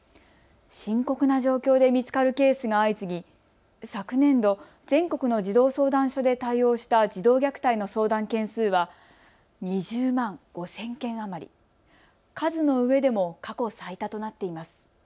深刻な状況で見つかるケースが相次ぎ昨年度、全国の児童相談所で対応した児童虐待の相談件数は２０万５０００件余り、数のうえでも過去最多となっています。